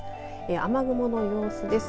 雨雲の様子です。